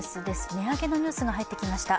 値上げのニュースが入ってきました。